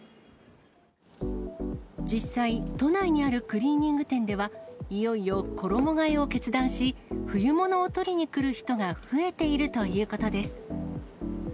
実際、都内にあるクリーニング店では、いよいよ衣がえを決断し、冬物を取りに来る人が増えているということです。